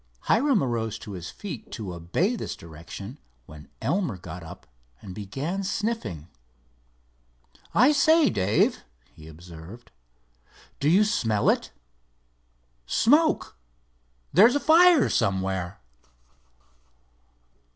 Hiram arose to his feet to obey this direction, when Elmer got up and began sniffing. "I say, Dave," he observed, "do you smell it? Smoke! There's fire somewhere!"